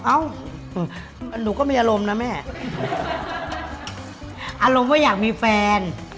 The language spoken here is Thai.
อารมณ์ว่าอยากมีแฟน